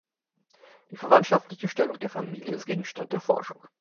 Die verwandtschaftliche Stellung der Familie ist Gegenstand der Forschung.